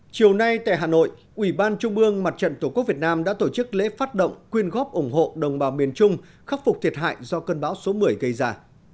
chiều nay tại hà nội ủy ban trung ương mặt trận tổ quốc việt nam đã tổ chức lễ phát động quyên góp ủng hộ đồng bào miền trung khắc phục thiệt hại do cơn bão số một mươi gây ra